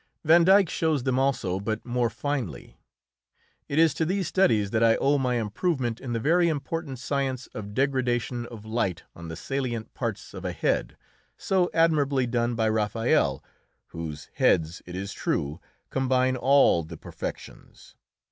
Van Dyck shows them also, but more finely. It is to these studies that I owe my improvement in the very important science of degradation of light on the salient parts of a head, so admirably done by Raphael, whose heads, it is true, combine all the perfections.